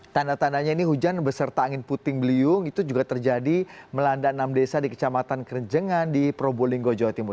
tanda tandanya ini hujan beserta angin puting beliung itu juga terjadi melanda enam desa di kecamatan kerenjengan di probolinggo jawa timur